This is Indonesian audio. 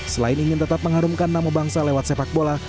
selain ingin tetap mengharumkan nama bangsa lewat sepak bola